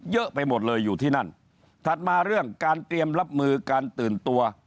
เยอะไปหมดเลยอยู่ที่นั่นถัดมาเรื่องการเตรียมรับมือการตื่นตัว